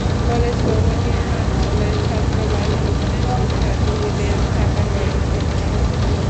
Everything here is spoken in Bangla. কলেজ ভবন নির্মাণ হলে ছাত্রাবাস ভবনে শিক্ষার্থীদের থাকার ব্যবস্থা করা হবে।